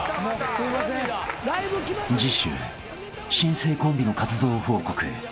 ［次週新生コンビの活動報告］